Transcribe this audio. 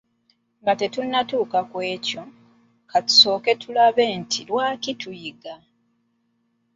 Nga tetunnatuuka ku ekyo; ka tusooke tulabe nti: Lwaki tuyiga?